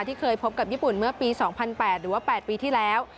ที่เคยพบกับญี่ปุ่นเมื่อปี๒๐๐๘หรือว่า๘ปีที่แล้ว